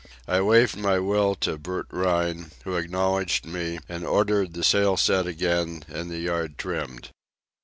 I waved my will to Bert Rhine, who acknowledged me and ordered the sail set again and the yard trimmed.